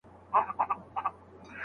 د مخطوبې ستاينه د مرکچيانو لخوا کيږي.